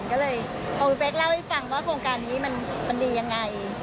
ก็เลยเอาคุณเป๊กเล่าให้ฟังว่าโครงการนี้มันดียังไง